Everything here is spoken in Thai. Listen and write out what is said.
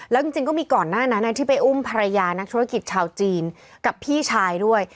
แล้วจริงก็มีก่อนหน้านั้นที่ไปอุ้มภรรยานักธุรกิจชาวจีนกับพี่ชายด้วย